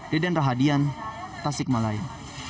deden rahadian tasik malaya